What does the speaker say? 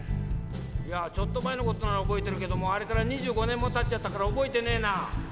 「いやちょっと前のことなら覚えてるけどもうあれから２５年もたっちゃったから覚えてねえな」。